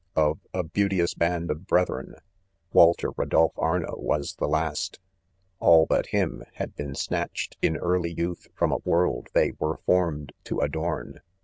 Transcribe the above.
Of "a beauteous band of brethren," "Walter Rodolph Arno was the last. All but Min, had been saatched in early youth from a worid they were formed to adorn